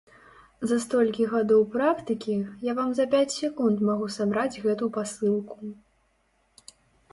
За столькі гадоў практыкі я вам за пяць секунд магу сабраць гэту пасылку.